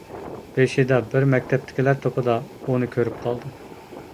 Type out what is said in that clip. بېشىدا بىر مەكتەپتىكىلەر توپىدا ئۇنى كۆرۈپ قالدىم.